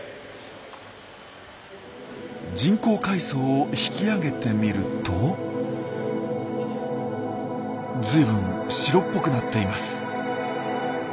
人工海藻を引き上げてみると随分白っぽくなっています。